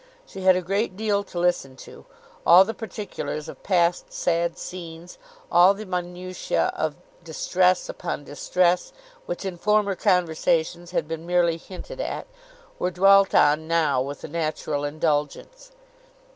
She had a great deal to listen to; all the particulars of past sad scenes, all the minutiae of distress upon distress, which in former conversations had been merely hinted at, were dwelt on now with a natural indulgence.